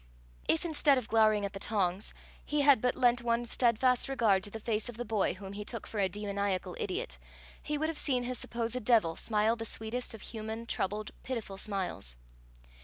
If instead of glowering at the tongs, he had but lent one steadfast regard to the face of the boy whom he took for a demoniacal idiot, he would have seen his supposed devil smile the sweetest of human, troubled, pitiful smiles.